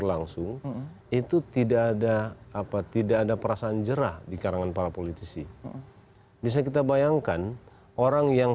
langsung itu tidak ada apa tidak ada perasaan jerah di karangan para politisi bisa kita bayangkan orang yang